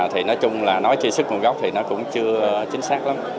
thì nói chung là nói chi xuất nguồn gốc thì nó cũng chưa chính xác lắm